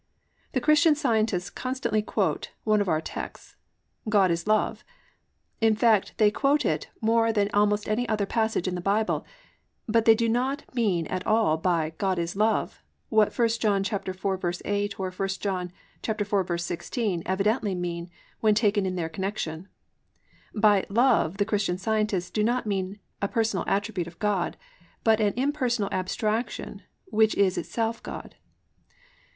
The Christian Scientists constantly quote one of our texts: +"God is Love."+ In fact they quote it more than almost any other passage in the Bible, but they do not mean at all by +"God is Love"+ what 1 John 4:8 or 1 John 4:16 evidently mean when taken in their connection. By "love" the Christian Scientists do not mean a personal attribute of God, but an impersonal abstraction which is itself God.